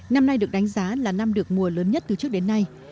năm nay được đánh giá là năm được mùa lớn nhất từ trước đến nay